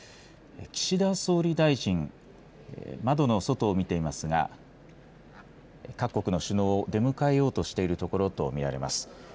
岸田総理大臣、窓の外を見ていますが、各国の首脳を出迎えようとしているところと見られます。